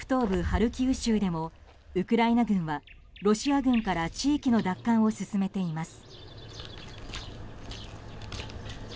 ハルキウ州でもウクライナ軍はロシア軍から地域の奪還を進めています。